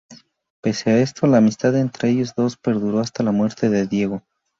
Pese a esto, la amistad entre ellos dos perduró hasta la muerte de Diego.